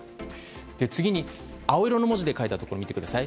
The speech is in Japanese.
次に青色の文字で書いてあるところを見てください。